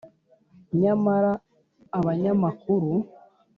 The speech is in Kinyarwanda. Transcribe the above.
nyamara abanyamakuru